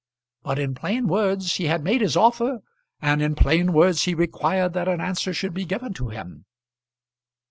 But in plain words he had made his offer, and in plain words he required that an answer should be given to him.